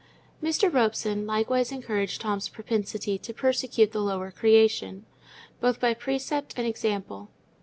Mr. Robson likewise encouraged Tom's propensity to persecute the lower creation, both by precept and example.